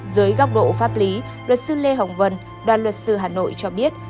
dưới góc độ pháp lý luật sư lê hồng vân đoàn luật sư hà nội cho biết